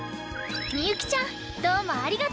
みゆきちゃんどうもありがとう！